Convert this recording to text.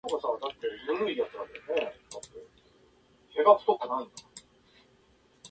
きょうは金曜日です。